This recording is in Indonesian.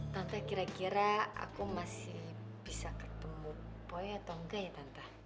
tanta kira kira aku masih bisa ketemu boy atau enggak ya tanta